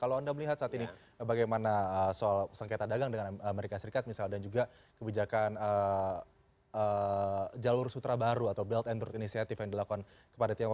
kalau anda melihat saat ini bagaimana soal sengketa dagang dengan amerika serikat misalnya dan juga kebijakan jalur sutra baru atau belt and turn